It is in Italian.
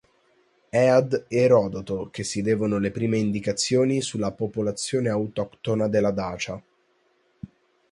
È ad Erodoto che si devono le prime indicazioni sulla popolazione autoctona della Dacia.